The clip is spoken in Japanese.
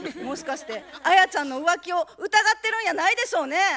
もしかしてアヤちゃんの浮気を疑ってるんやないでしょうね？